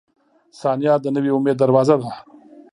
• ثانیه د نوي امید دروازه ده.